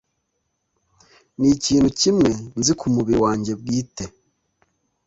ni kintu kimwe nzi ku mubiri wanjye bwite".